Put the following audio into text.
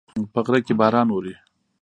په غره کې باران اوري